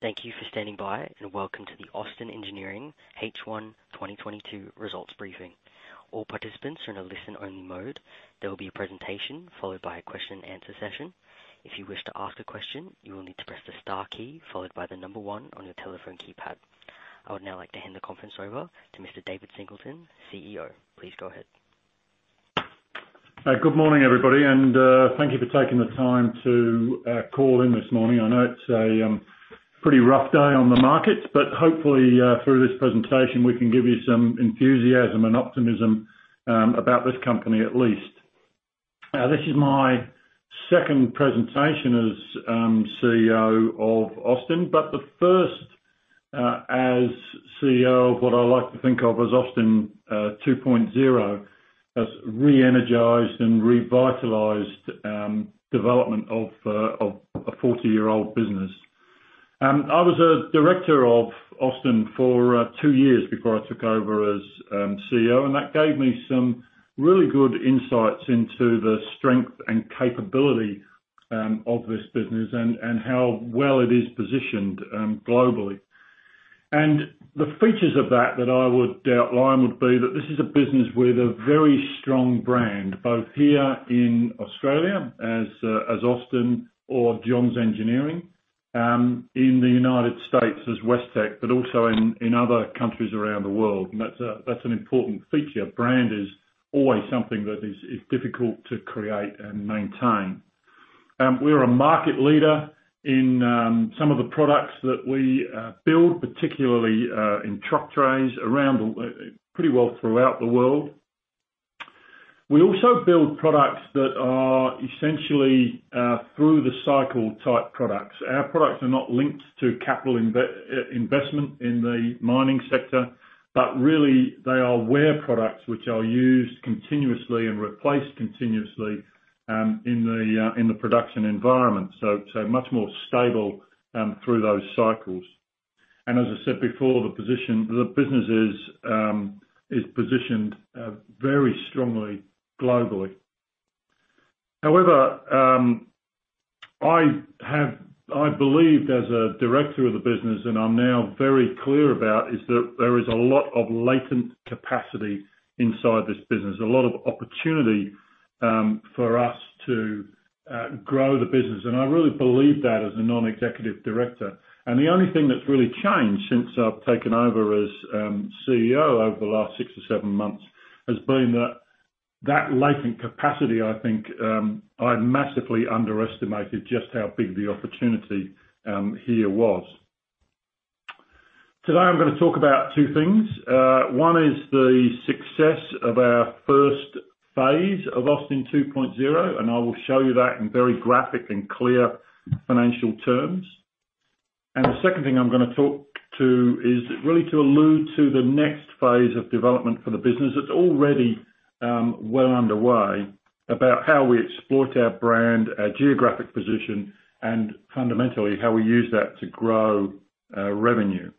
Thank you for standing by, and welcome to the Austin Engineering H1 2022 Results Briefing. All participants are in a listen-only mode. There will be a presentation followed by a question and answer session. If you wish to ask a question, you will need to press the star key followed by the number one on your telephone keypad. I would now like to hand the conference over to Mr. David Singleton, CEO. Please go ahead. Good morning, everybody, and thank you for taking the time to call in this morning. I know it's a pretty rough day on the markets, but hopefully, through this presentation, we can give you some enthusiasm and optimism about this company, at least. This is my second presentation as CEO of Austin, but the first as CEO of what I like to think of as Austin 2.0. As re-energized and revitalized development of a 40-year-old business. I was a director of Austin for two years before I took over as CEO, and that gave me some really good insights into the strength and capability of this business and how well it is positioned globally. The features of that that I would outline would be that this is a business with a very strong brand, both here in Australia as Austin or John's Engineering, in the United States as Westech, but also in other countries around the world. That's an important feature. Brand is always something that is difficult to create and maintain. We're a market leader in some of the products that we build, particularly in truck trays around the pretty well throughout the world. We also build products that are essentially through the cycle type products. Our products are not linked to capital investment in the mining sector, but really they are wear products which are used continuously and replaced continuously in the production environment, so much more stable through those cycles. As I said before, the business is positioned very strongly globally. However, I believed as a director of the business, and I'm now very clear about is that there is a lot of latent capacity inside this business. A lot of opportunity for us to grow the business. I really believe that as a non-executive director. The only thing that's really changed since I've taken over as CEO over the last six or seven months has been that latent capacity. I think I massively underestimated just how big the opportunity here was. Today, I'm gonna talk about two things. One is the success of our first phase of Austin 2.0, and I will show you that in very graphic and clear financial terms. The second thing I'm gonna talk to is really to allude to the next phase of development for the business. It's already well underway about how we exploit our brand, our geographic position, and fundamentally, how we use that to grow revenue.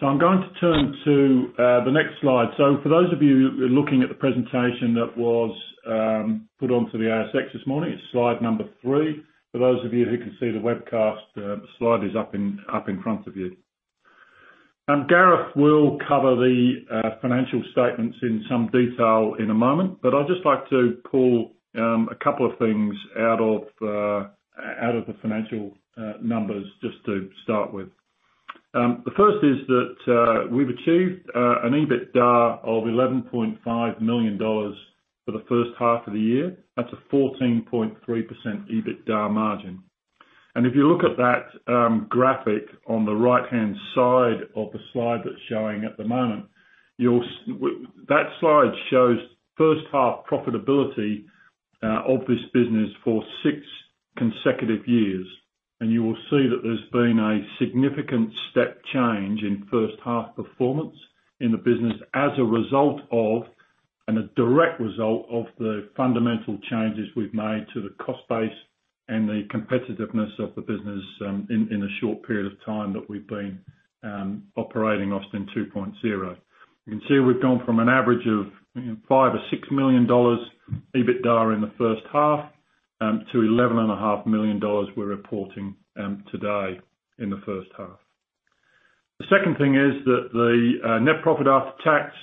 I'm going to turn to the next slide. For those of you looking at the presentation that was put onto the ASX this morning, it's slide number three. For those of you who can see the webcast, the slide is up in front of you. Gareth will cover the financial statements in some detail in a moment, but I'd just like to pull a couple of things out of the financial numbers just to start with. The first is that we've achieved an EBITDA of 11.5 million dollars for the H1 of the year. That's a 14.3% EBITDA margin. If you look at that graphic on the right-hand side of the slide that's showing at the moment, that slide shows H1 profitability of this business for 6 consecutive years. You will see that there's been a significant step change in H1 performance in the business as a result of, and a direct result of the fundamental changes we've made to the cost base and the competitiveness of the business, in the short period of time that we've been operating Austin 2.0. You can see we've gone from an average of 5 million or 6 million dollars EBITDA in the H1, to 11.5 million dollars we're reporting, today in the H1. The second thing is that the net profit after tax,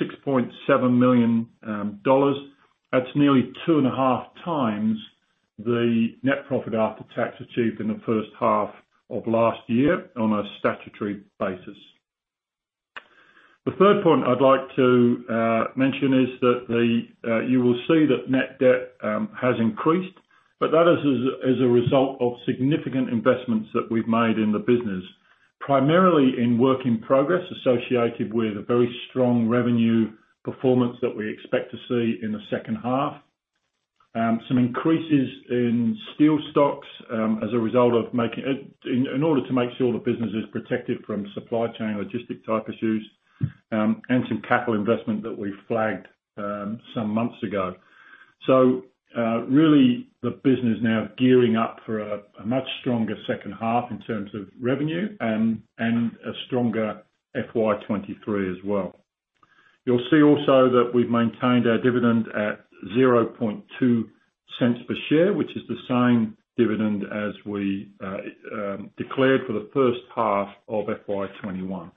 6.7 million dollars. That's nearly 2.5x the net profit after tax achieved in the H1 of last year on a statutory basis. The third point I'd like to mention is that the... You will see that net debt has increased, but that is as a result of significant investments that we've made in the business, primarily in work in progress associated with a very strong revenue performance that we expect to see in the H2. Some increases in steel stocks as a result of in order to make sure the business is protected from supply chain logistic type issues, and some capital investment that we flagged some months ago. Really, the business now gearing up for a much stronger H2 in terms of revenue and a stronger FY 2023 as well. You will see also that we've maintained our dividend at 0.002 per share, which is the same dividend as we declared for the H1 of FY 2021.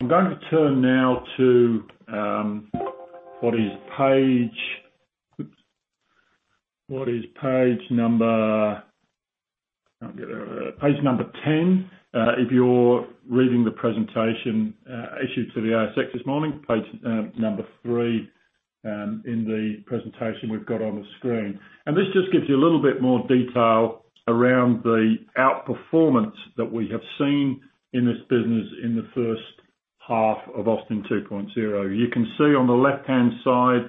I'm going to turn now to what is page number ten if you're reading the presentation issued to the ASX this morning. Page number three in the presentation we've got on the screen. This just gives you a little bit more detail around the outperformance that we have seen in this business in the H1 of Austin 2.0. You can see on the left-hand side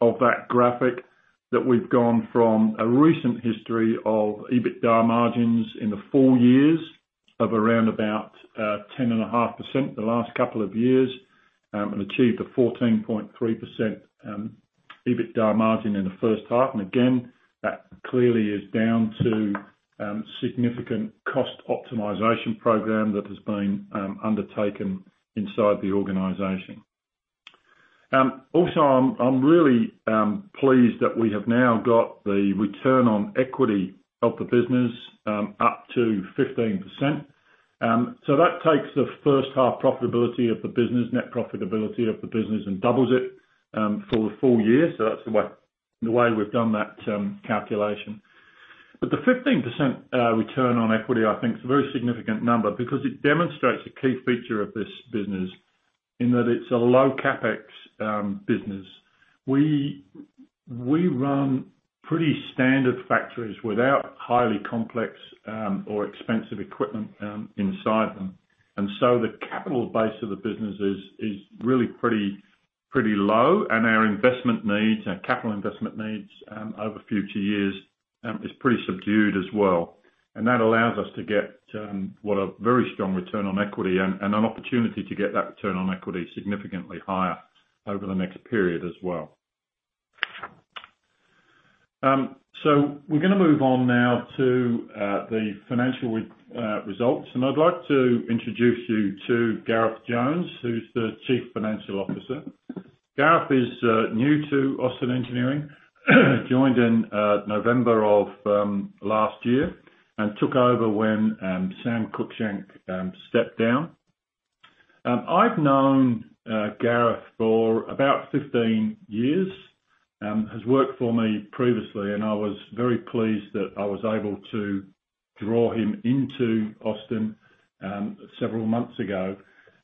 of that graphic that we've gone from a recent history of EBITDA margins in the four years of around about 10.5% the last couple of years and achieved a 14.3% EBITDA margin in the H1. Again, that clearly is down to significant cost optimization program that has been undertaken inside the organization. Also, I'm really pleased that we have now got the return on equity of the business up to 15%. That takes the H1 profitability of the business, net profitability of the business and doubles it for the full year. That's the way we've done that calculation. The 15% return on equity, I think, is a very significant number because it demonstrates a key feature of this business in that it's a low CapEx business. We run pretty standard factories without highly complex or expensive equipment inside them. The capital base of the business is really pretty low. Our investment needs, our capital investment needs over future years is pretty subdued as well. That allows us to get what a very strong return on equity and an opportunity to get that return on equity significantly higher over the next period as well. We're gonna move on now to the financial results. I'd like to introduce you to Gareth Jones, who's the Chief Financial Officer. Gareth is new to Austin Engineering, joined in November of last year and took over when Sam Cruickshank stepped down. I've known Gareth for about 15 years. He has worked for me previously, and I was very pleased that I was able to draw him into Austin several months ago.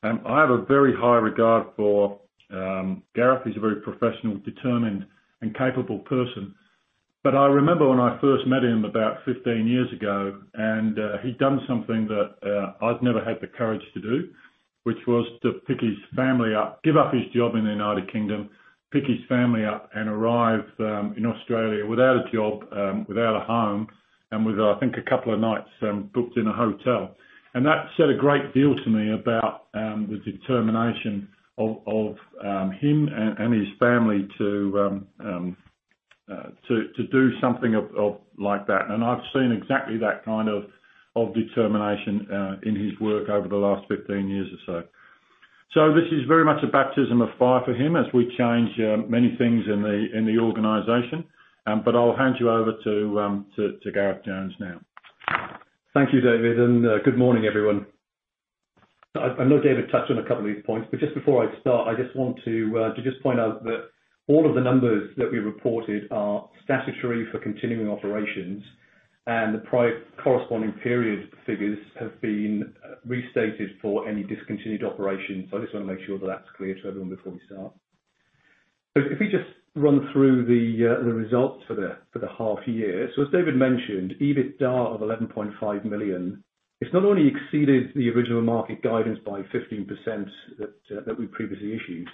I have a very high regard for Gareth. He's a very professional, determined and capable person. I remember when I first met him about 15 years ago. He'd done something that I'd never had the courage to do, which was to pick his family up, give up his job in the U.K., and arrive in Australia without a job, without a home, and with, I think, a couple of nights booked in a hotel. That said a great deal to me about the determination of him and his family to do something of like that. I've seen exactly that kind of determination in his work over the last 15 years or so. This is very much a baptism of fire for him as we change many things in the organization. I'll hand you over to Gareth Jones now. Thank you, David, and good morning, everyone. I know David touched on a couple of these points, but just before I start, I just want to just point out that all of the numbers that we reported are statutory for continuing operations, and the corresponding period figures have been restated for any discontinued operations. I just wanna make sure that that's clear to everyone before we start. If we just run through the results for the half year. As David mentioned, EBITDA of 11.5 million. It's not only exceeded the original market guidance by 15% we previously issued,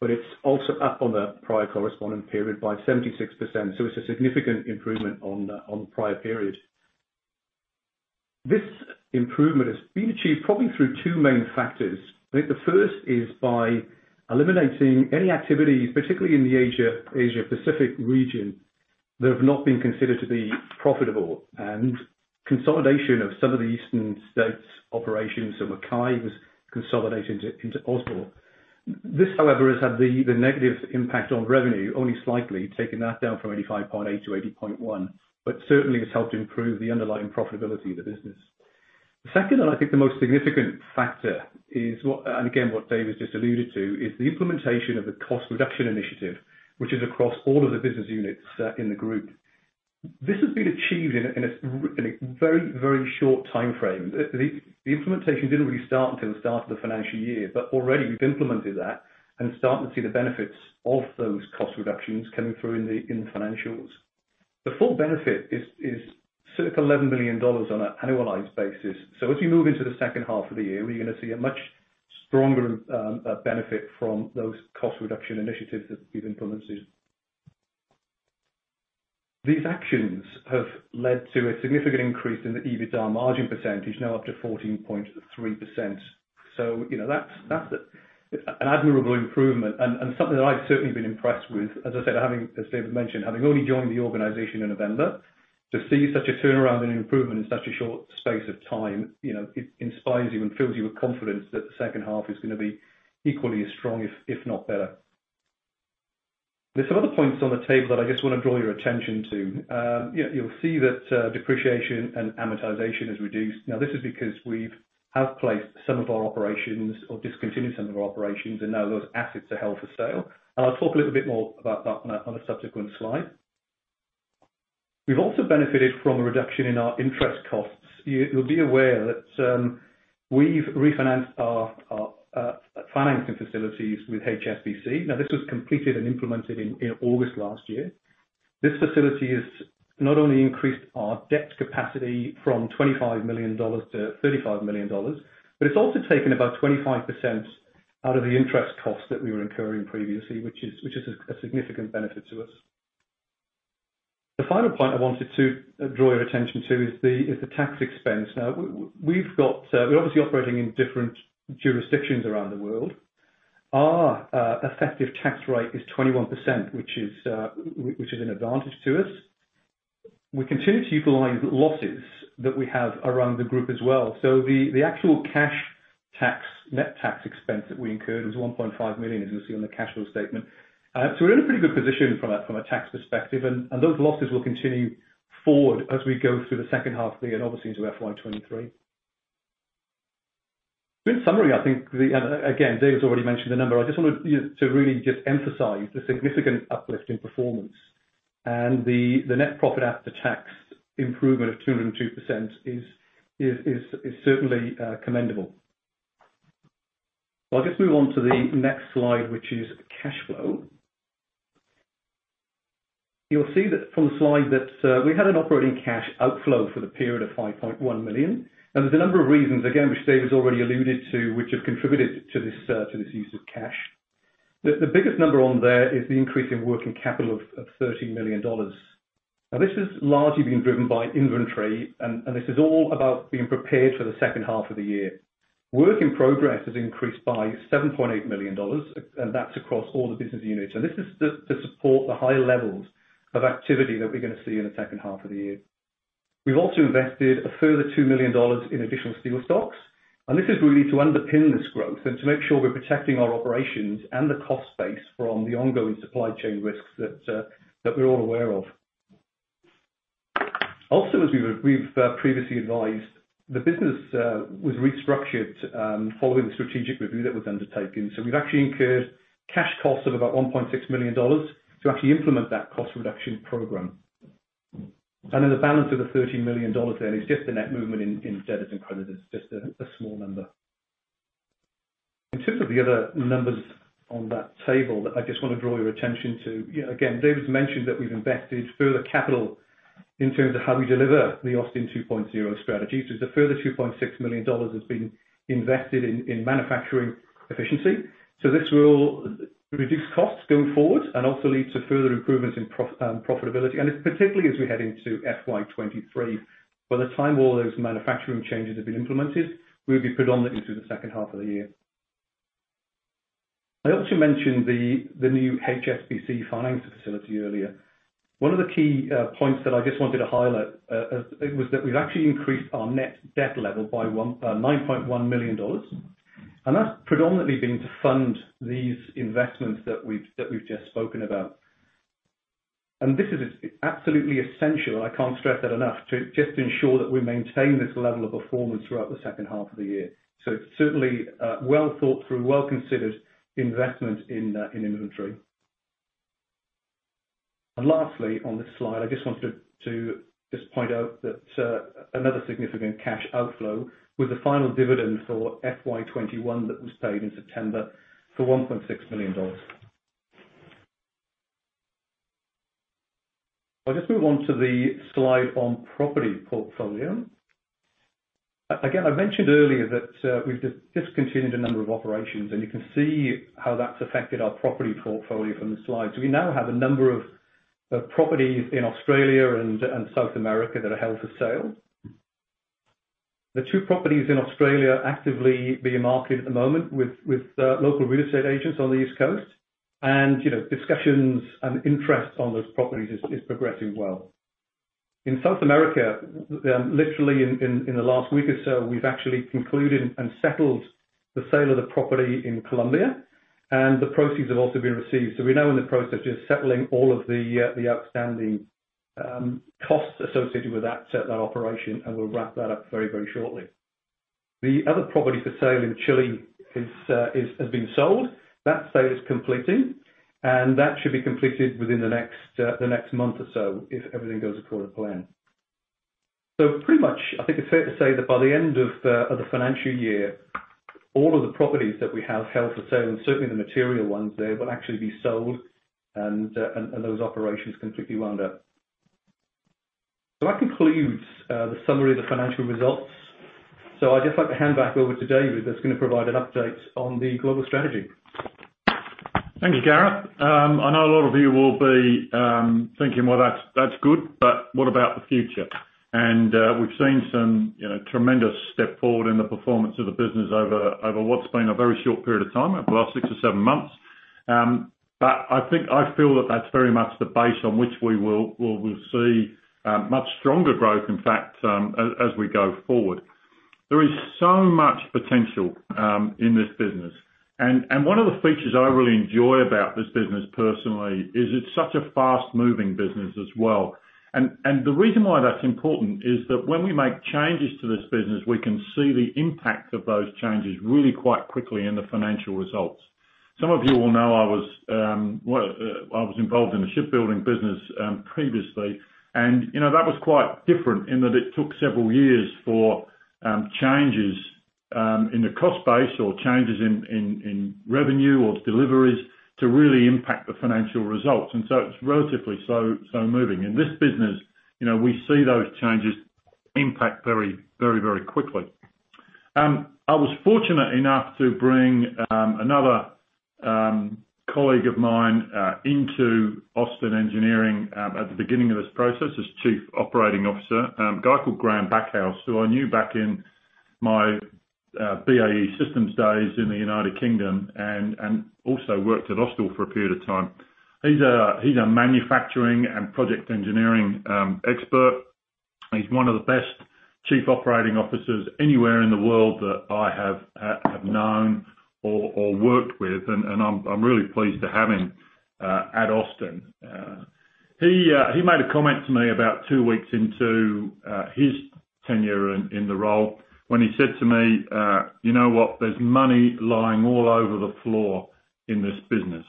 but it's also up on the prior corresponding period by 76%. It's a significant improvement on the prior period. This improvement has been achieved probably through two main factors. I think the first is by eliminating any activity, particularly in the Asia Pacific region, that have not been considered to be profitable and consolidation of some of the Eastern States operations. Mackay was consolidated into Osborne. This, however, has had the negative impact on revenue, only slightly, taking that down from 85.8-80.1, but certainly has helped improve the underlying profitability of the business. The second, and I think the most significant factor, is what, and again, what David just alluded to, is the implementation of the cost reduction initiative, which is across all of the business units in the group. This has been achieved in a very short timeframe. The implementation didn't really start until the start of the financial year, but already we've implemented that and starting to see the benefits of those cost reductions coming through in the financials. The full benefit is sort of 11 million dollars on an annualized basis. As we move into the H2 of the year, we're gonna see a much stronger benefit from those cost reduction initiatives that we've implemented. These actions have led to a significant increase in the EBITDA margin percentage, now up to 14.3%. You know, that's an admirable improvement and something that I've certainly been impressed with. As I said, as David mentioned, having only joined the organization in November. To see such a turnaround and improvement in such a short space of time, you know, it inspires you and fills you with confidence that the H2 is gonna be equally as strong, if not better. There's some other points on the table that I just wanna draw your attention to. You'll see that depreciation and amortization has reduced. Now this is because we've outplaced some of our operations or discontinued some of our operations, and now those assets are held for sale. I'll talk a little bit more about that on a subsequent slide. We've also benefited from a reduction in our interest costs. You'll be aware that we've refinanced our financing facilities with HSBC. Now this was completed and implemented in August last year. This facility has not only increased our debt capacity from 25 million-35 million dollars, but it's also taken about 25% out of the interest cost that we were incurring previously, which is a significant benefit to us. The final point I wanted to draw your attention to is the tax expense. Now we're obviously operating in different jurisdictions around the world. Our effective tax rate is 21%, which is an advantage to us. We continue to utilize losses that we have around the group as well. So the actual cash tax, net tax expense that we incurred was 1.5 million, as you'll see on the cash flow statement. We're in a pretty good position from a tax perspective, and those losses will continue forward as we go through the H2 of the year, and obviously into FY 2023. In summary, I think again, David's already mentioned the number. I just wanted you to really just emphasize the significant uplift in performance. The net profit after tax improvement of 202% is certainly commendable. I'll just move on to the next slide, which is cash flow. You'll see from the slide that we had an operating cash outflow for the period of 5.1 million, and there's a number of reasons, again, which David's already alluded to, which have contributed to this use of cash. The biggest number on there is the increase in working capital of 13 million dollars. Now this is largely being driven by inventory, and this is all about being prepared for the H2 of the year. Work in progress has increased by 7.8 million dollars, and that's across all the business units. This is just to support the high levels of activity that we're gonna see in the H2 of the year. We've also invested a further 2 million dollars in additional steel stocks, and this is really to underpin this growth and to make sure we're protecting our operations and the cost base from the ongoing supply chain risks that we're all aware of. Also, as we've previously advised, the business was restructured following the strategic review that was undertaken. We've actually incurred cash costs of about 1.6 million dollars to actually implement that cost reduction program. Then the balance of the 13 million dollars there is just the net movement in debits and credits. It's just a small number. In terms of the other numbers on that table that I just wanna draw your attention to, you know, again, David's mentioned that we've invested further capital in terms of how we deliver the Austin 2.0 strategy. It's a further 2.6 million dollars has been invested in manufacturing efficiency. This will reduce costs going forward and also lead to further improvements in profitability, and it's particularly as we head into FY 2023. By the time all those manufacturing changes have been implemented, we'll be predominantly through the H2 of the year. I also mentioned the new HSBC financing facility earlier. One of the key points that I just wanted to highlight, it was that we've actually increased our net debt level by 9.1 million dollars, and that's predominantly been to fund these investments that we've just spoken about. This is absolutely essential, I can't stress that enough, to just ensure that we maintain this level of performance throughout the H2 of the year. It's certainly a well-thought through, well-considered investment in inventory. Lastly, on this slide, I just wanted to just point out that another significant cash outflow was the final dividend for FY 2021 that was paid in September for 1.6 million dollars. I'll just move on to the slide on property portfolio. Again, I mentioned earlier that we've discontinued a number of operations, and you can see how that's affected our property portfolio from the slide. We now have a number of properties in Australia and South America that are held for sale. The two properties in Australia are actively being marketed at the moment with local real estate agents on the East Coast. You know, discussions and interest on those properties is progressing well. In South America, literally in the last week or so, we've actually concluded and settled the sale of the property in Colombia, and the proceeds have also been received. We're now in the process of settling all of the outstanding costs associated with that operation, and we'll wrap that up very shortly. The other property for sale in Chile has been sold. That sale is completing, and that should be completed within the next month or so if everything goes according to plan. Pretty much, I think it's fair to say that by the end of the financial year, all of the properties that we have held for sale, and certainly the material ones there, will actually be sold and those operations completely wound up. That concludes the summary of the financial results. I'd just like to hand back over to David, that's gonna provide an update on the global strategy. Thank you, Gareth. I know a lot of you will be thinking, "Well, that's good, but what about the future?" We've seen some, you know, tremendous step forward in the performance of the business over what's been a very short period of time, over the last six or seven months. I think I feel that that's very much the base on which we will see much stronger growth, in fact, as we go forward. There is so much potential in this business. One of the features I really enjoy about this business personally is it's such a fast-moving business as well. The reason why that's important is that when we make changes to this business, we can see the impact of those changes really quite quickly in the financial results. Some of you will know I was involved in the shipbuilding business previously. You know, that was quite different in that it took several years for changes in the cost base or changes in revenue or deliveries to really impact the financial results. It's relatively slow-moving. In this business, you know, we see those changes impact very quickly. I was fortunate enough to bring another colleague of mine into Austin Engineering at the beginning of this process as chief operating officer, a guy called Graham Backhouse, who I knew back in my BAE Systems days in the United Kingdom and also worked at Austal for a period of time. He's a manufacturing and project engineering expert. He's one of the best Chief Operating Officer anywhere in the world that I have known or worked with. I'm really pleased to have him at Austin. He made a comment to me about two weeks into his tenure in the role when he said to me, "You know what? There's money lying all over the floor in this business."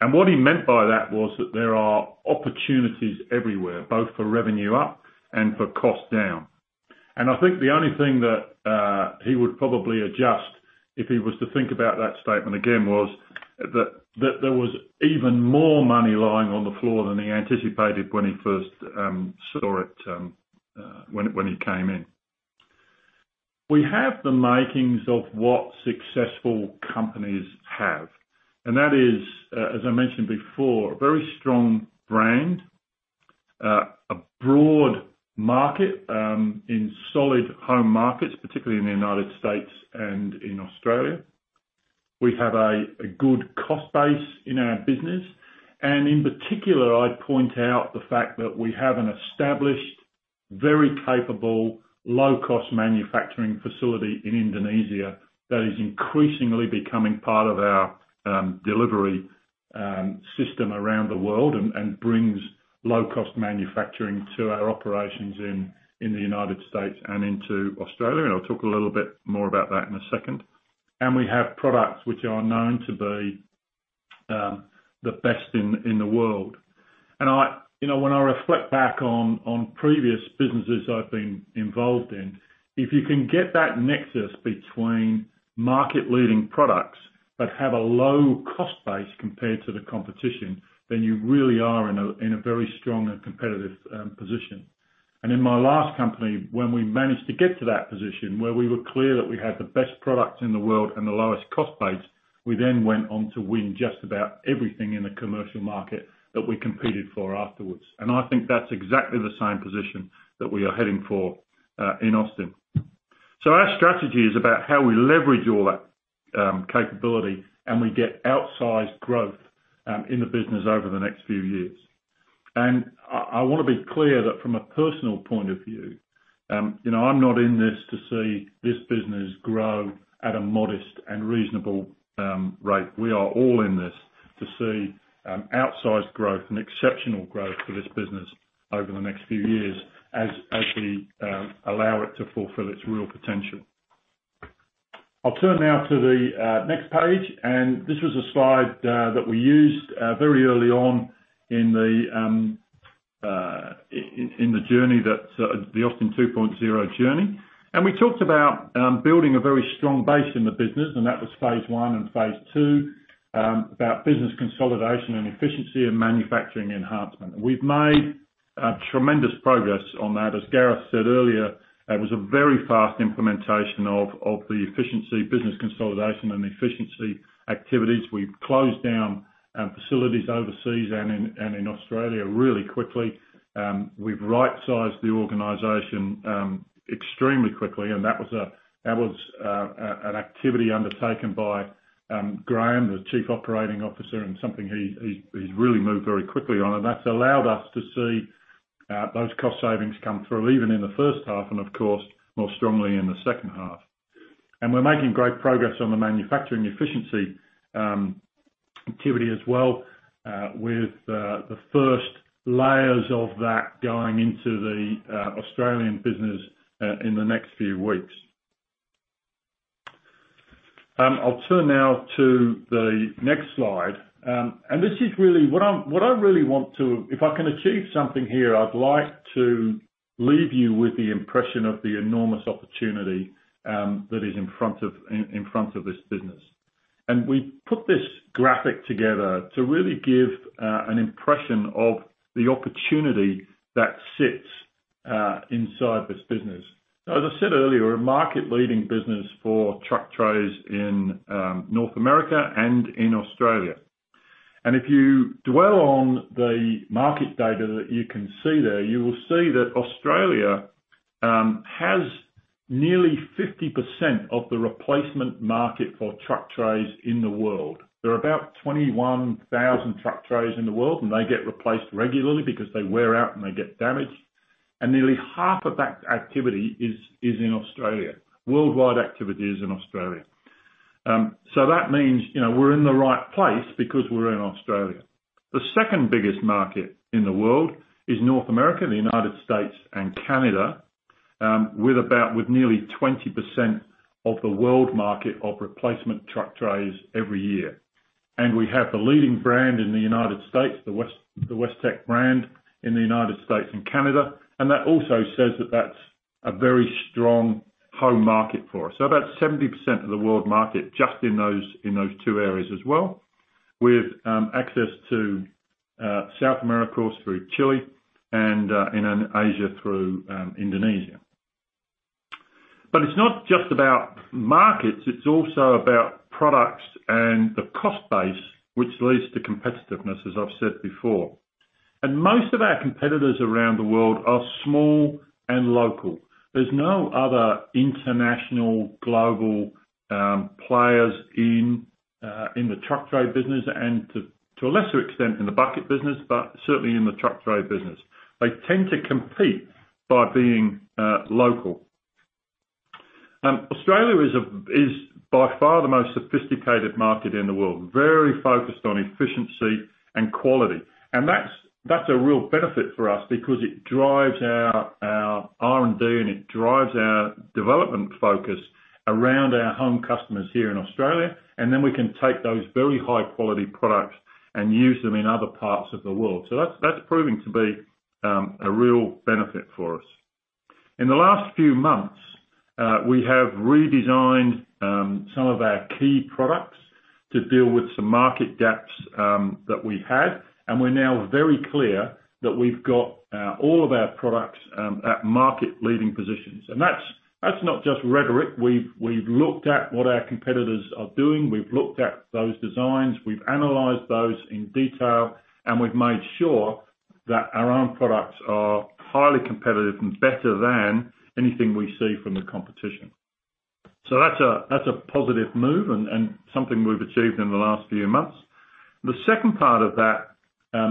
What he meant by that was that there are opportunities everywhere, both for revenue up and for cost down. I think the only thing that he would probably adjust if he was to think about that statement again was that there was even more money lying on the floor than he anticipated when he first saw it when he came in. We have the makings of what successful companies have. That is, as I mentioned before, a very strong brand, a broad market in solid home markets, particularly in the United States and in Australia. We have a good cost base in our business. In particular, I'd point out the fact that we have an established, very capable, low-cost manufacturing facility in Indonesia that is increasingly becoming part of our delivery system around the world and brings low-cost manufacturing to our operations in the United States and into Australia, and I'll talk a little bit more about that in a second. We have products which are known to be the best in the world. You know, when I reflect back on previous businesses I've been involved in, if you can get that nexus between market-leading products that have a low cost base compared to the competition, then you really are in a very strong and competitive position. In my last company, when we managed to get to that position where we were clear that we had the best products in the world and the lowest cost base, we then went on to win just about everything in the commercial market that we competed for afterwards. I think that's exactly the same position that we are heading for in Austin. Our strategy is about how we leverage all that capability, and we get outsized growth in the business over the next few years. I wanna be clear that from a personal point of view, you know, I'm not in this to see this business grow at a modest and reasonable rate. We are all in this to see outsized growth and exceptional growth for this business over the next few years as we allow it to fulfill its real potential. I'll turn now to the next page, and this was a slide that we used very early on in the journey that's the Austin 2.0 journey. We talked about building a very strong base in the business, and that was phase one and phase two about business consolidation and efficiency and manufacturing enhancement. We've made tremendous progress on that. As Gareth said earlier, it was a very fast implementation of the efficiency business consolidation and the efficiency activities. We've closed down facilities overseas and in Australia really quickly. We've right-sized the organization extremely quickly, and that was an activity undertaken by Graham, the chief operating officer, and something he's really moved very quickly on. That's allowed us to see those cost savings come through even in the H1 and of course, more strongly in the H2. We're making great progress on the manufacturing efficiency activity as well, with the first layers of that going into the Australian business in the next few weeks. I'll turn now to the next slide. This is really what I really want to. If I can achieve something here, I'd like to leave you with the impression of the enormous opportunity that is in front of this business. We put this graphic together to really give an impression of the opportunity that sits inside this business. As I said earlier, a market-leading business for truck trays in North America and in Australia. If you dwell on the market data that you can see there, you will see that Australia has nearly 50% of the replacement market for truck trays in the world. There are about 21,000 truck trays in the world, and they get replaced regularly because they wear out, and they get damaged. Nearly half of that activity is in Australia. Worldwide activity is in Australia. That means, you know, we're in the right place because we're in Australia. The second biggest market in the world is North America, the United States, and Canada, with nearly 20% of the world market of replacement truck trays every year. We have the leading brand in the United States, the Westech brand in the United States and Canada, and that also says that that's a very strong home market for us. About 70% of the world market just in those two areas as well, with access to South America, of course, through Chile and in Asia through Indonesia. It's not just about markets, it's also about products and the cost base, which leads to competitiveness, as I've said before. Most of our competitors around the world are small and local. There's no other international global players in the truck tray business and to a lesser extent in the bucket business, but certainly in the truck tray business. They tend to compete by being local. Australia is by far the most sophisticated market in the world, very focused on efficiency and quality. That's a real benefit for us because it drives our R&D, and it drives our development focus around our home customers here in Australia, and then we can take those very high quality products and use them in other parts of the world. That's proving to be a real benefit for us. In the last few months, we have redesigned some of our key products to deal with some market gaps that we had, and we're now very clear that we've got all of our products at market-leading positions. That's not just rhetoric. We've looked at what our competitors are doing, we've looked at those designs, we've analyzed those in detail, and we've made sure that our own products are highly competitive and better than anything we see from the competition. That's a positive move and something we've achieved in the last few months. The second part of that,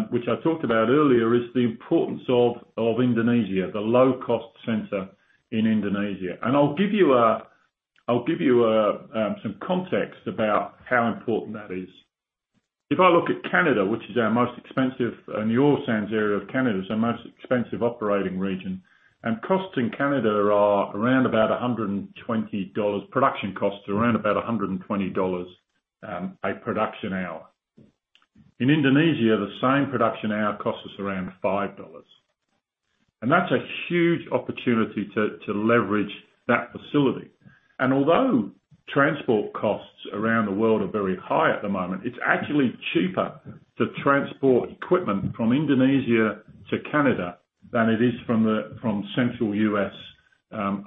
which I talked about earlier, is the importance of Indonesia, the low-cost center in Indonesia. I'll give you a some context about how important that is. If I look at Canada, which is our most expensive, and the oil sands area of Canada is our most expensive operating region, and costs in Canada are around about $120 production costs are around about $100 a production hour. In Indonesia, the same production hour costs us around $5. That's a huge opportunity to leverage that facility. Although transport costs around the world are very high at the moment, it's actually cheaper to transport equipment from Indonesia to Canada than it is from Central U.S.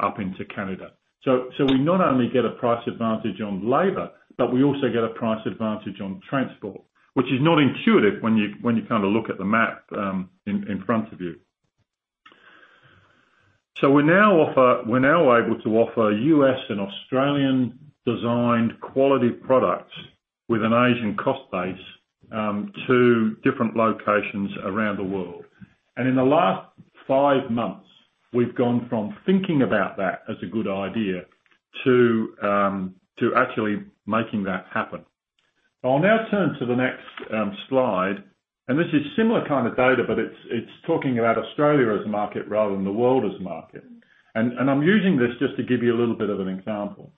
up into Canada. So we not only get a price advantage on labor, but we also get a price advantage on transport, which is not intuitive when you kind of look at the map in front of you. We're now able to offer U.S. and Australian-designed quality products with an Asian cost base to different locations around the world. In the last five months, we've gone from thinking about that as a good idea to actually making that happen. I'll now turn to the next slide, and this is similar kind of data, but it's talking about Australia as a market rather than the world as a market. I'm using this just to give you a little bit of an example.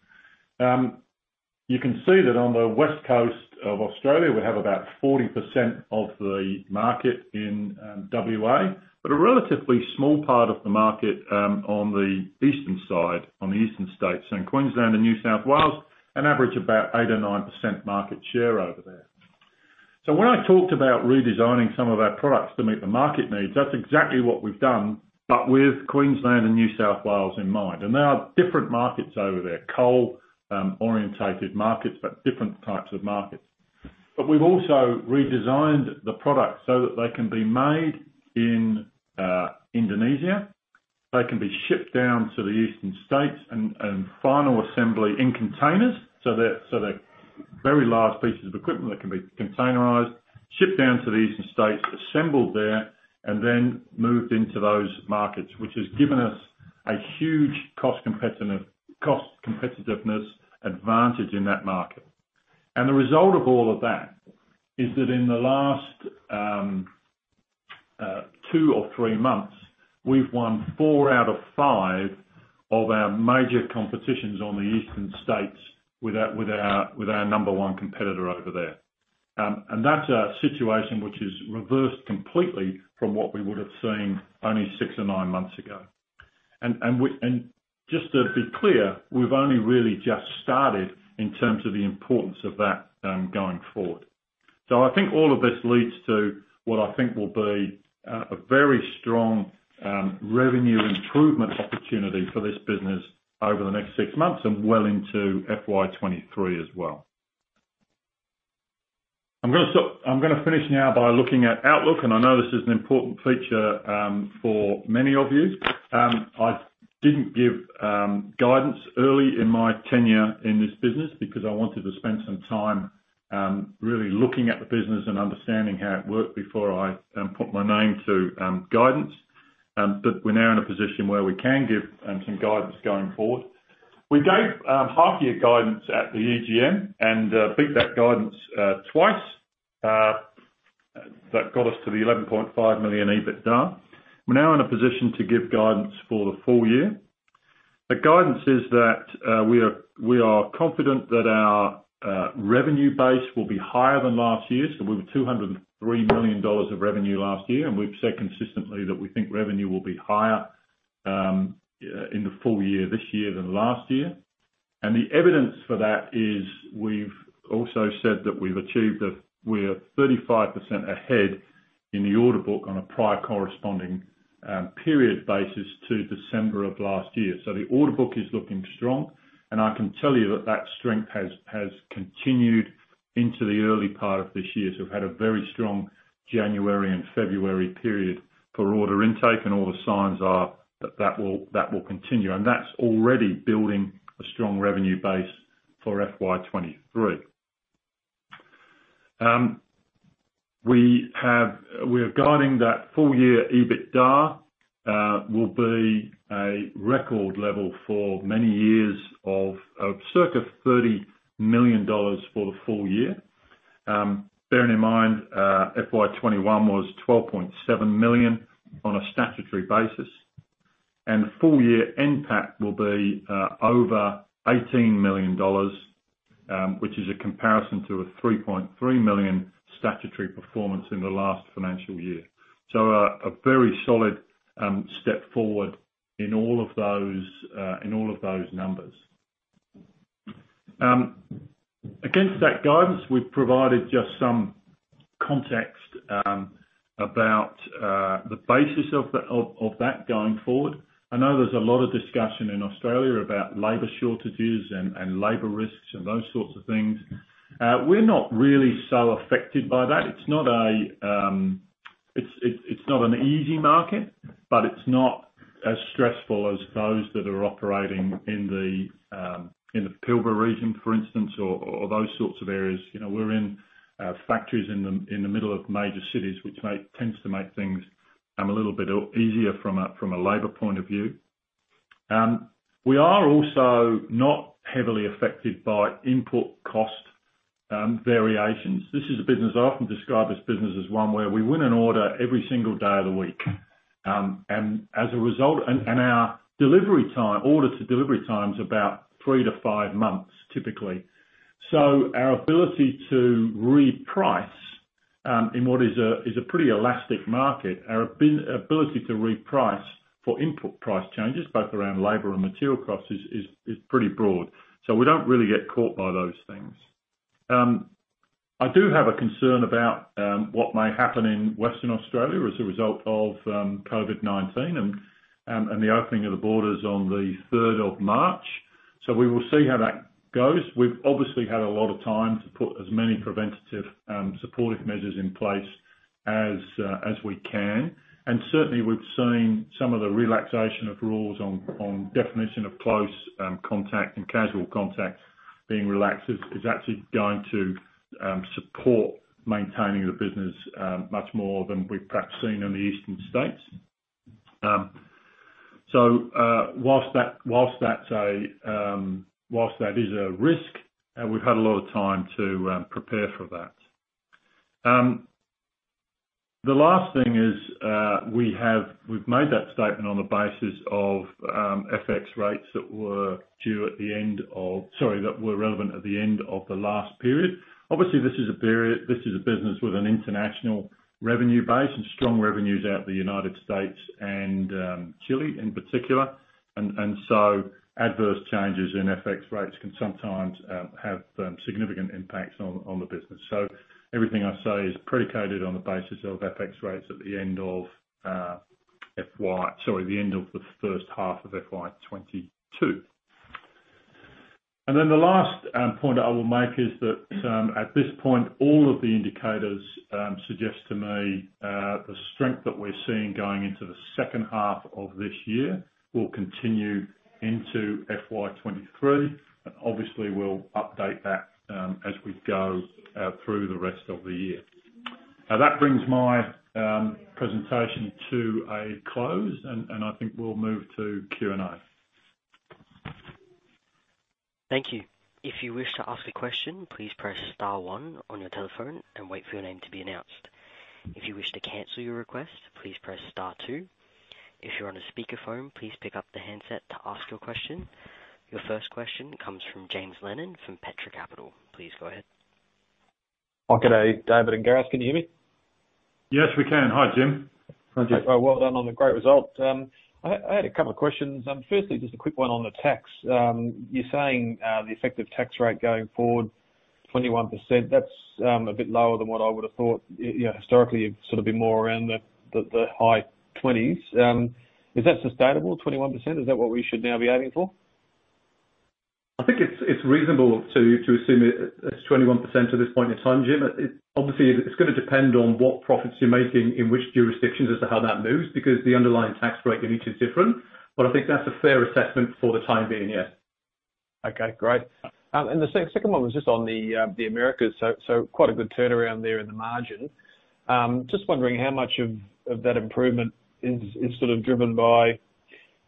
You can see that on the west coast of Australia, we have about 40% of the market in WA, but a relatively small part of the market on the eastern side, on the eastern states. In Queensland and New South Wales, an average of about 8%-9% market share over there. When I talked about redesigning some of our products to meet the market needs, that's exactly what we've done, but with Queensland and New South Wales in mind. There are different markets over there, coal oriented markets, but different types of markets. We've also redesigned the products so that they can be made in Indonesia, they can be shipped down to the eastern states and final assembly in containers. They're very large pieces of equipment that can be containerized, shipped down to the eastern states, assembled there, and then moved into those markets, which has given us a huge cost competitiveness advantage in that market. The result of all of that is that in the last two or three months, we've won four out of five of our major competitions on the eastern states with our number one competitor over there. That's a situation which is reversed completely from what we would have seen only six or nine months ago. Just to be clear, we've only really just started in terms of the importance of that going forward. I think all of this leads to what I think will be a very strong revenue improvement opportunity for this business over the next six months and well into FY 2023 as well. I'm gonna finish now by looking at Outlook, and I know this is an important feature for many of you. I didn't give guidance early in my tenure in this business because I wanted to spend some time really looking at the business and understanding how it worked before I put my name to guidance. But we're now in a position where we can give some guidance going forward. We gave half-year guidance at the EGM and beat that guidance twice. That got us to the 11.5 million EBITDA. We're now in a position to give guidance for the full year. The guidance is that we are confident that our revenue base will be higher than last year. We were 203 million dollars of revenue last year, and we've said consistently that we think revenue will be higher in the full year this year than last year. The evidence for that is we've also said that we've achieved we are 35% ahead in the order book on a prior corresponding period basis to December of last year. The order book is looking strong, and I can tell you that that strength has continued into the early part of this year. We've had a very strong January and February period for order intake, and all the signs are that that will continue. That's already building a strong revenue base for FY 2023. We're guiding that full year EBITDA will be a record level for many years of circa 30 million dollars for the full year. Bearing in mind, FY 2021 was 12.7 million on a statutory basis. The full year NPAT will be over 18 million dollars, which is a comparison to a 3.3 million statutory performance in the last financial year. A very solid step forward in all of those numbers. Against that guidance, we've provided just some context about the basis of that going forward. I know there's a lot of discussion in Australia about labor shortages and labor risks and those sorts of things. We're not really so affected by that. It's not an easy market, but it's not as stressful as those that are operating in the Pilbara region, for instance, or those sorts of areas. You know, we're in factories in the middle of major cities, which make. Tends to make things a little bit easier from a labor point of view. We are also not heavily affected by input cost variations. This is a business I often describe as one where we win an order every single day of the week. As a result, our delivery time, order to delivery time, is about three-five months, typically. Our ability to reprice in what is a pretty elastic market, our ability to reprice for input price changes, both around labor and material costs, is pretty broad. We don't really get caught by those things. I do have a concern about what may happen in Western Australia as a result of COVID-19 and the opening of the borders on the 3rd of March. We will see how that goes. We've obviously had a lot of time to put as many preventative, supportive measures in place as we can. Certainly we've seen some of the relaxation of rules on definition of close contact and casual contact being relaxed is actually going to support maintaining the business, much more than we've perhaps seen in the eastern states. Whilst that is a risk, we've had a lot of time to prepare for that. The last thing is, we've made that statement on the basis of FX rates that were relevant at the end of the last period. Obviously, this is a period. This is a business with an international revenue base and strong revenues out in the United States and Chile in particular. Adverse changes in FX rates can sometimes have significant impacts on the business. Everything I say is predicated on the basis of FX rates at the end of the H1 of FY 2022. The last point I will make is that at this point, all of the indicators suggest to me the strength that we're seeing going into the H2 of this year will continue into FY 2023, and obviously we'll update that as we go through the rest of the year. Now, that brings my presentation to a close, and I think we'll move to Q&A. Thank you. If you wish to ask a question, please press star one on your telephone and wait for your name to be announced. If you wish to cancel your request, please press star two. If you're on a speakerphone, please pick up the handset to ask your question. Your first question comes from Jim Walker from Petra Capital. Please go ahead. Good day, David and Gareth. Can you hear me? Yes, we can. Hi, Jim. How are you? Well done on the great result. I had a couple of questions. Firstly, just a quick one on the tax. You're saying the effective tax rate going forward, 21%. That's a bit lower than what I would have thought. You know, historically, you've sort of been more around the high 20s. Is that sustainable, 21%? Is that what we should now be aiming for? I think it's reasonable to assume it's 21% at this point in time, Jim. Obviously it's gonna depend on what profits you're making in which jurisdictions as to how that moves, because the underlying tax rate in each is different. I think that's a fair assessment for the time being, yes. Okay, great. The second one was just on the Americas. Quite a good turnaround there in the margin. Just wondering how much of that improvement is sort of driven by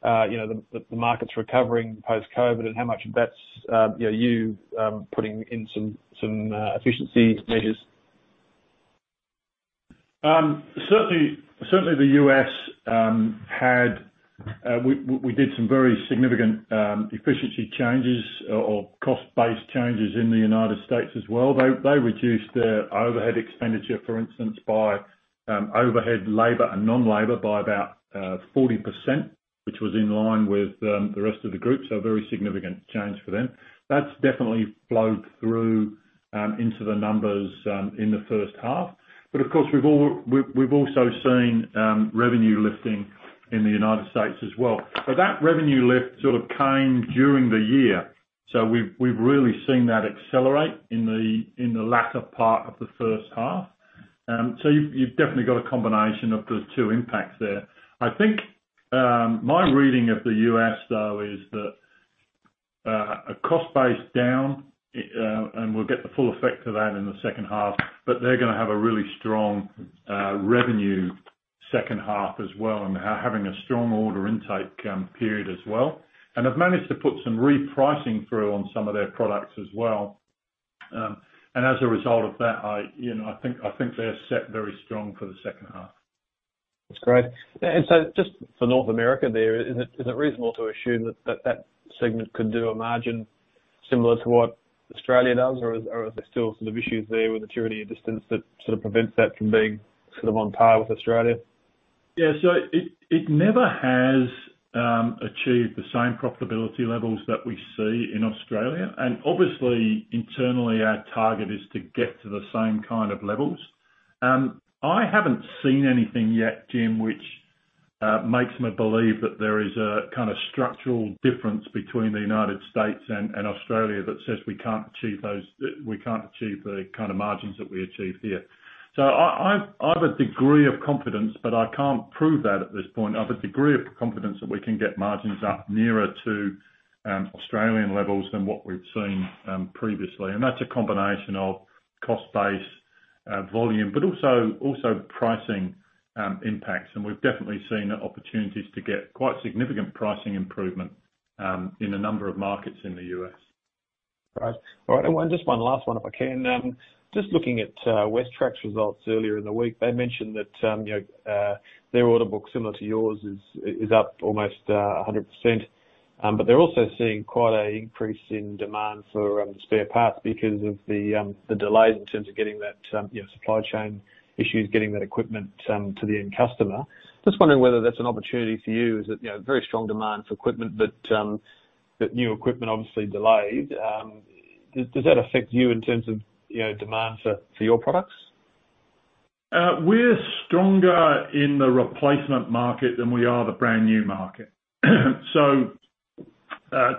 you know the markets recovering post-COVID, and how much of that's you know putting in some efficiency measures? Certainly, the U.S., we did some very significant efficiency changes or cost-based changes in the United States as well. They reduced their overhead expenditure, for instance, by overhead labor and non-labor by about 40%, which was in line with the rest of the group. A very significant change for them. That's definitely flowed through into the numbers in the H1. Of course, we've also seen revenue lifting in the United States as well. That revenue lift sort of came during the year. We've really seen that accelerate in the latter part of the H1. You've definitely got a combination of those two impacts there. I think my reading of the U.S., though, is that a cost base down and we'll get the full effect of that in the H2, but they're gonna have a really strong revenue H2 as well, and are having a strong order intake period as well. Have managed to put some repricing through on some of their products as well. As a result of that, you know, I think they're set very strong for the H2. That's great. Just for North America there, is it reasonable to assume that segment could do a margin similar to what Australia does? Or are there still some issues there with maturity and distance that sort of prevents that from being sort of on par with Australia? Yeah, it never has achieved the same profitability levels that we see in Australia. Obviously, internally, our target is to get to the same kind of levels. I haven't seen anything yet, Jim, which makes me believe that there is a kind of structural difference between the United States and Australia that says we can't achieve the kind of margins that we achieve here. I've a degree of confidence, but I can't prove that at this point. I've a degree of confidence that we can get margins up nearer to Australian levels than what we've seen previously. That's a combination of cost base, volume, but also pricing impacts. We've definitely seen opportunities to get quite significant pricing improvement in a number of markets in the U.S. Right. All right. One last one, if I can. Just looking at WesTrac's results earlier in the week, they mentioned that, you know, their order book, similar to yours, is up almost 100%. But they're also seeing quite an increase in demand for spare parts because of the delays in terms of getting that, you know, supply chain issues, getting that equipment to the end customer. Just wondering whether that's an opportunity for you. Is it, you know, very strong demand for equipment that new equipment obviously delayed. Does that affect you in terms of, you know, demand for your products? We're stronger in the replacement market than we are the brand new market.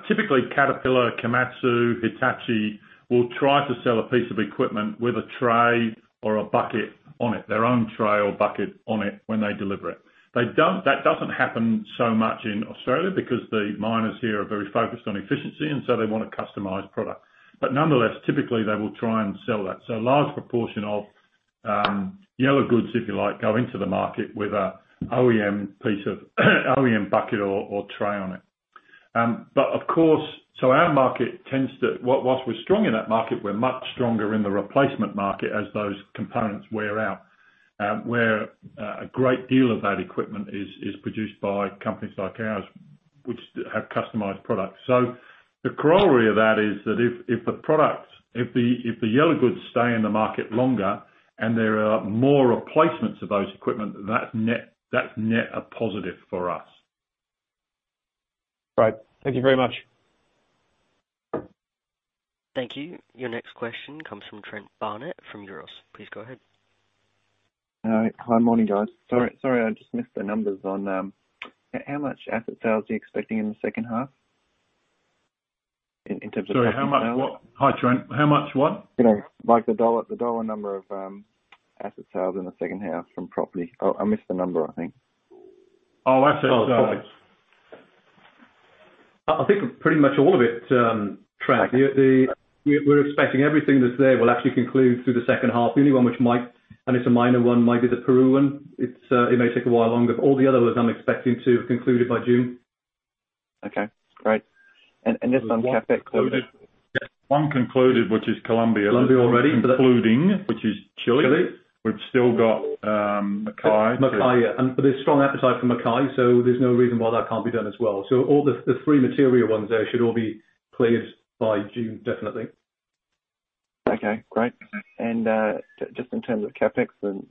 Typically Caterpillar, Komatsu, Hitachi will try to sell a piece of equipment with a tray or a bucket on it, their own tray or bucket on it when they deliver it. That doesn't happen so much in Australia because the miners here are very focused on efficiency, and so they want a customized product. Nonetheless, typically they will try and sell that. A large proportion of yellow goods, if you like, go into the market with an OEM piece of OEM bucket or tray on it. Our market tends to... While we're strong in that market, we're much stronger in the replacement market as those components wear out, where a great deal of that equipment is produced by companies like ours, which have customized products. The corollary of that is that if the yellow goods stay in the market longer and there are more replacements of those equipment, that nets a positive for us. Right. Thank you very much. Thank you. Your next question comes from Trent Barnett from Euroz. Please go ahead. All right. Hi. Morning, guys. Sorry, I just missed the numbers on how much asset sales are you expecting in the H2? In terms of- Sorry, how much what? Hi, Trent. How much what? You know, like the dollar number of asset sales in the H2 from property. I missed the number, I think. Oh, asset sales. Oh, sorry. I think pretty much all of it, Trent. We're expecting everything that's there will actually conclude through the H2. The only one which might, and it's a minor one, might be the Peru one. It may take a while longer. All the other ones I'm expecting to have concluded by June. Okay, great. Just on CapEx. One concluded, which is Colombia. Colombia already. Concluding, which is Chile. Chile. We've still got Mackay. Mackay. There's strong appetite for Mackay, so there's no reason why that can't be done as well. All the three material ones there should all be cleared by June, definitely. Okay, great. Just in terms of CapEx, the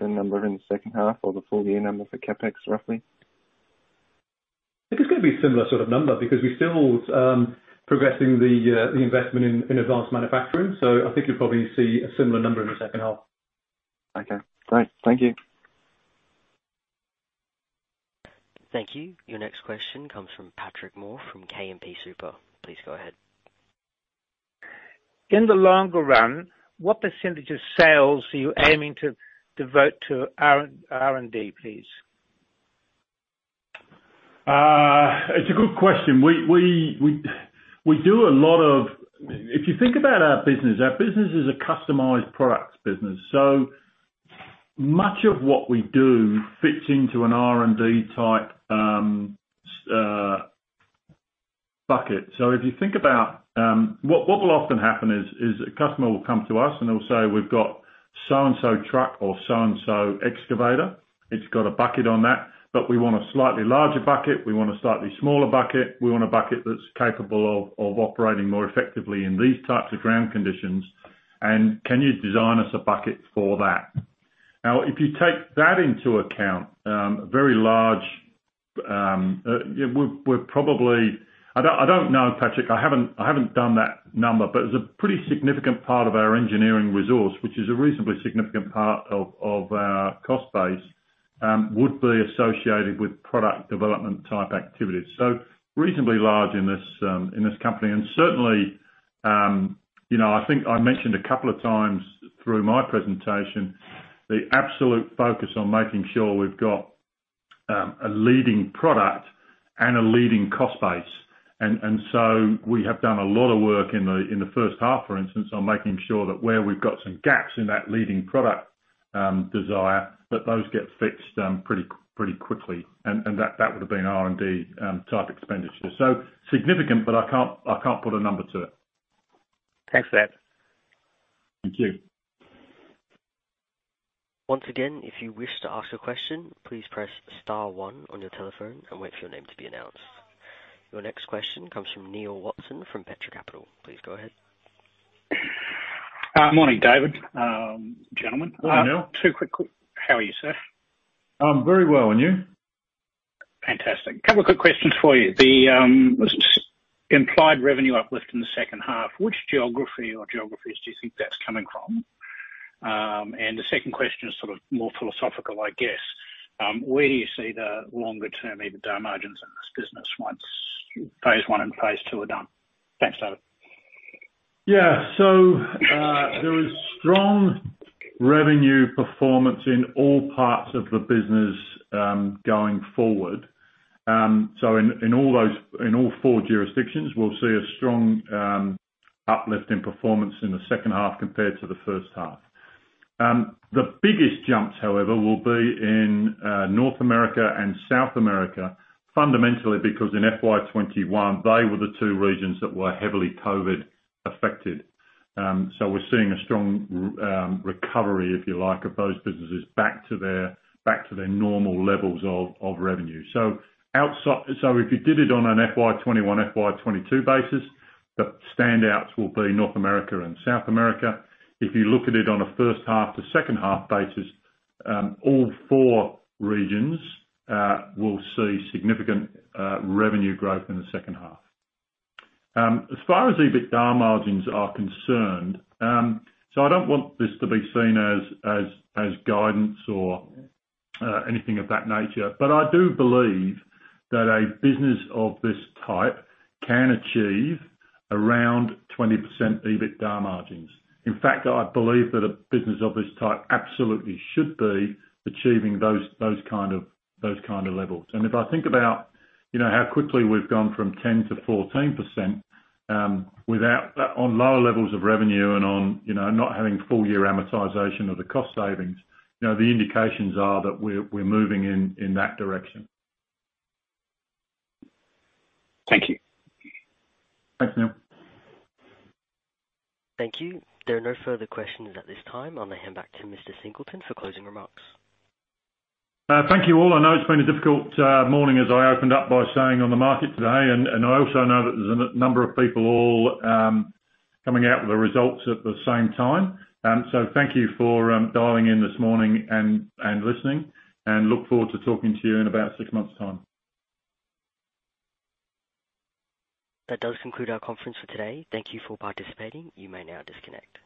number in the H2 or the full year number for CapEx, roughly? I think it's gonna be a similar sort of number because we're still progressing the investment in advanced manufacturing. I think you'll probably see a similar number in the H2. Okay, great. Thank you. Thank you. Your next question comes from Patrick Moore from KMP Super. Please go ahead. In the longer run, what percentage of sales are you aiming to devote to R&D, please? It's a good question. If you think about our business, our business is a customized product business, so much of what we do fits into an R&D type bucket. If you think about what will often happen is a customer will come to us and they'll say, "We've got so and so truck or so and so excavator. It's got a bucket on that, but we want a slightly larger bucket. We want a slightly smaller bucket. We want a bucket that's capable of operating more effectively in these types of ground conditions. And can you design us a bucket for that?" Now, if you take that into account, very large, we're probably. I don't know, Patrick, I haven't done that number, but it's a pretty significant part of our engineering resource, which is a reasonably significant part of our cost base, would be associated with product development type activities. Reasonably large in this company. Certainly, you know, I think I mentioned a couple of times through my presentation, the absolute focus on making sure we've got a leading product and a leading cost base. We have done a lot of work in the H1, for instance, on making sure that where we've got some gaps in that leading product design, that those get fixed pretty quickly. That would have been R&D type expenditure. Significant, but I can't put a number to it. Thanks for that. Thank you. Once again, if you wish to ask a question, please press star one on your telephone and wait for your name to be announced. Your next question comes from Neil Watson from Petra Capital. Please go ahead. Morning, David. Gentlemen. Hello, Neil. How are you, sir? I'm very well. You? Fantastic. A couple quick questions for you. The implied revenue uplift in the H2, which geography or geographies do you think that's coming from? The second question is sort of more philosophical, I guess. Where do you see the longer term EBITDA margins in this business once phase one and phase two are done? Thanks, David. There is strong revenue performance in all parts of the business going forward. In all four jurisdictions, we'll see a strong uplift in performance in the H2 compared to the H1. The biggest jumps, however, will be in North America and South America, fundamentally because in FY 2021, they were the two regions that were heavily COVID-19 affected. We're seeing a strong recovery, if you like, of those businesses back to their normal levels of revenue. If you did it on an FY 2021, FY 2022 basis, the standouts will be North America and South America. If you look at it on a H1 to H2 basis, all four regions will see significant revenue growth in the H2. As far as EBITDA margins are concerned, I don't want this to be seen as guidance or anything of that nature, but I do believe that a business of this type can achieve around 20% EBITDA margins. In fact, I believe that a business of this type absolutely should be achieving those kind of levels. If I think about you know how quickly we've gone from 10%-14%, on lower levels of revenue and on you know not having full year amortization of the cost savings, you know the indications are that we're moving in that direction. Thank you. Thanks, Neil. Thank you. There are no further questions at this time. I'll hand back to Mr. Singleton for closing remarks. Thank you, all. I know it's been a difficult morning as I opened up by saying on the market today, and I also know that there's a number of people all coming out with the results at the same time. So thank you for dialing in this morning and listening, and I look forward to talking to you in about six months time. That does conclude our conference for today. Thank you for participating. You may now disconnect.